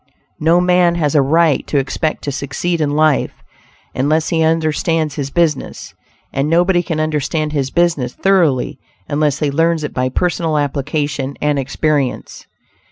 No man has a right to expect to succeed in life unless he understands his business, and nobody can understand his business thoroughly unless he learns it by personal application and experience.